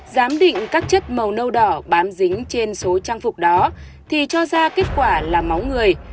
giám định các chất màu nâu đỏ bám dính trên số trang phục đó thì cho ra kết quả là máu người